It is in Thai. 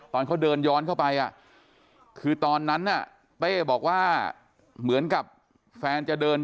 ตอนเขาเดินย้อนเข้าไปคือตอนนั้นน่ะเต้บอกว่าเหมือนกับแฟนจะเดิน